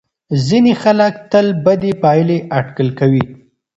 ځینې خلک تل بدې پایلې اټکل کوي.